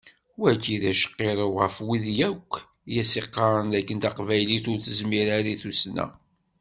Wagi d acqirrew ɣef wid yakk i as-iqqaren d akken taqbaylit ur tezmir ara i tussna.